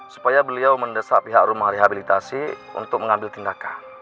supaya beliau mendesak pihak rumah rehabilitasi untuk mengambil tindakan